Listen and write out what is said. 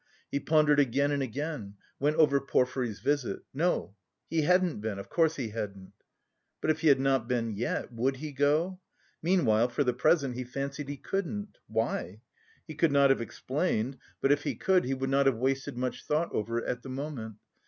He pondered again and again, went over Porfiry's visit; no, he hadn't been, of course he hadn't. But if he had not been yet, would he go? Meanwhile, for the present he fancied he couldn't. Why? He could not have explained, but if he could, he would not have wasted much thought over it at the moment.